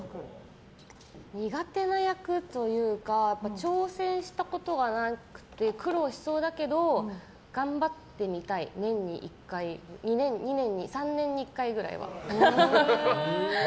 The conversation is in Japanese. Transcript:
苦手な役というか挑戦したことがなくて苦労しそうだけど頑張ってみたい年に１回３年に１回くらいは。